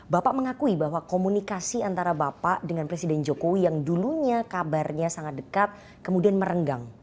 bapak mengakui bahwa komunikasi antara bapak dengan presiden jokowi yang dulunya kabarnya sangat dekat kemudian merenggang